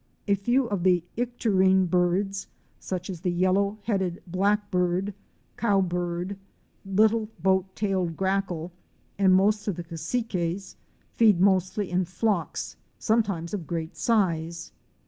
A few of the Icterine birds, such as the Yellow headed Black bird, Cowbird,'* Little Boat tailed Grackle,"' and most of the Cassiques, feed usually in flocks, sometimes of great size.